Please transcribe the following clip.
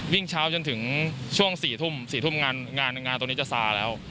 วิ่งเช้าจนถึงช่วง๔ทุ่มงานตรงนี้จะซาแล้ว